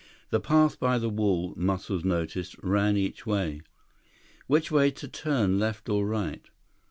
The path by the wall, Muscles noticed, ran each way. Which way to turn, left or right?